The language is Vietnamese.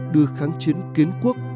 đưa kháng chiến kiến quốc